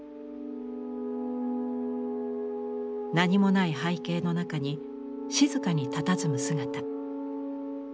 何もない背景の中に静かにたたずむ姿。